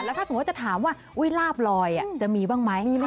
แล้วถ้าสมมติว่าจะถามว่าอุ๊ยราบลอยจะมีบ้างมั้ย